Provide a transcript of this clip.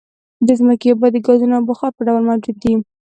د ځمکې اوبه د ګازونو او بخار په ډول موجود دي